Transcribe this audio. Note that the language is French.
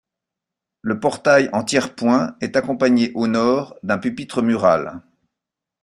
Le portail en tiers-point est accompagné au nord, d'un pupitre mural.